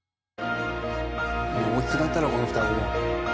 もう大きくなったろこの双子。